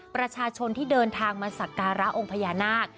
ประชาชนที่เดินทางมาสักการะองค์พญานาค